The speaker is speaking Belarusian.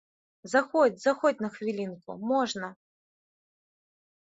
Заходзь, заходзь на хвілінку, можна.